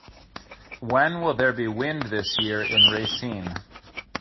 When will there be wind this year in Racine